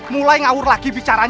mulai ngaur lagi bicara